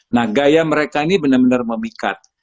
nah gaya mereka ini benar benar memikat